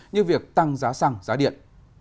như việc tăng giá xăng giá điện